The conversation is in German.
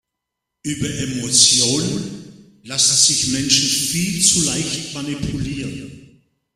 Über Emotionen lassen sich Menschen viel zu leicht manipulieren.